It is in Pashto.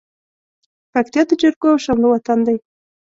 پکتيا د جرګو او شملو وطن دى.